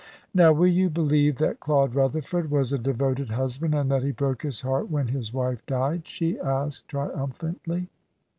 "Now will you believe that Claude Rutherford was a devoted husband, and that he broke his heart when his wife died?" she asked triumphantly.